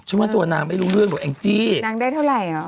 ว่าตัวนางไม่รู้เรื่องหรอกแองจี้นางได้เท่าไหร่